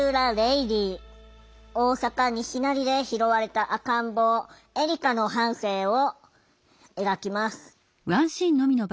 大阪・西成で拾われた赤ん坊エリカの半生を描きます。